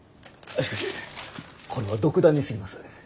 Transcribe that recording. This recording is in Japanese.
しかしこれは独断にすぎます。